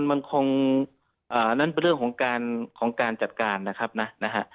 มันคงนั่นเป็นเรื่องของการของการจัดการนะครับนะนะฮะ